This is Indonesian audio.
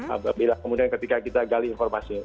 apabila kemudian ketika kita gali informasi